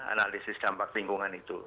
analisis dampak lingkungan itu